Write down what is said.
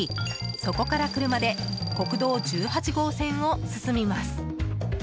そこから車で国道１８号線を進みます。